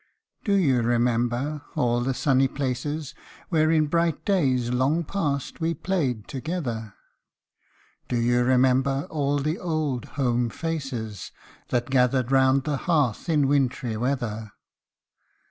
Do you remember all the sunny places, Where in bright days, long past, we played together ? Do you remember all the old home faces That gathered round the hearth in wintry weather